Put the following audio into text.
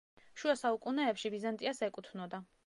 შუა საუკუნეებში ბიზანტიას ეკუთვნოდა.